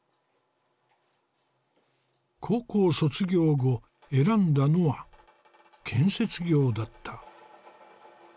高校卒業後選んだのは建設業だった。